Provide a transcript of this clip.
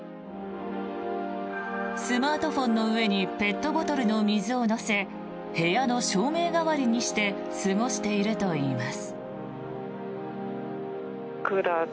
スマートフォンの上にペットボトルの水を乗せ部屋の照明代わりにして過ごしているといいます。